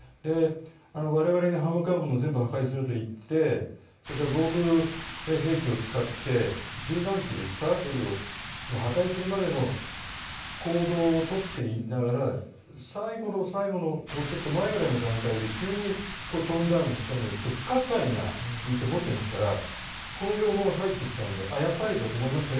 我々に歯向かう者は全部破壊すると言ってそれから防空兵器を使って十何機ですかヘリを破壊するまでの行動をとっていながら最後の最後の前ぐらいの段階で急にトーンダウンしたのに不可解な印象を持ってましたらこの情報が入ってきたのでやっぱりと思いましたね。